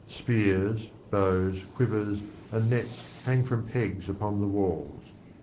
Spears, bows, quivers, and nets hang from pegs upon the walls.